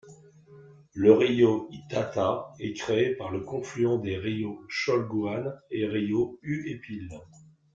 Le río Itata est créé par le confluent des río Cholguán et río Huépil.